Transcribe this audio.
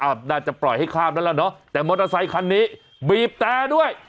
น่าจะปล่อยให้ข้ามแล้วล่ะเนอะแต่มอเตอร์ไซคันนี้บีบแต่ด้วย